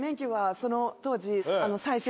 その当時。